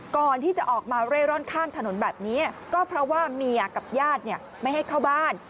ก่อนที่จะออกมาเร่ร่อนข้างถนนแบบนี้ก็เพราะว่าเมียกับญาติไม่ให้เข้าบ้าน